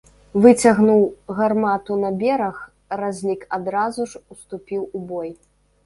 Выцягнуў гармату на бераг, разлік адразу ж уступіў у бой.